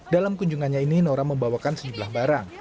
dalam kunjungannya ini nora membawakan sejumlah barang